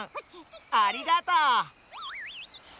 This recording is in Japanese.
ありがとう！